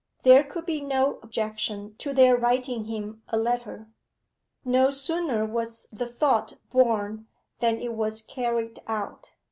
There could be no objection to their writing him a letter. No sooner was the thought born than it was carried out.